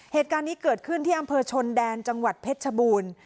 เหตุการณ์นี้เกิดขึ้นที่อำเภอชนแดนจังหวัดเพชรชบูรณ์